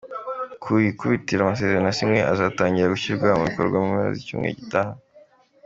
Ku ikubitiro amasezerano yasinywe azatangira gushyirwa mu bikorwa mu mpera z’icyumweru gitaha.